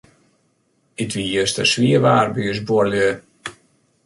It wie juster swier waar by ús buorlju.